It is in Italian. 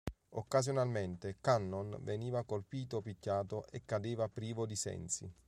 Occasionalmente, Cannon veniva colpito o picchiato e cadeva privo di sensi.